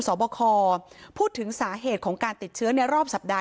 สอบคอพูดถึงสาเหตุของการติดเชื้อในรอบสัปดาห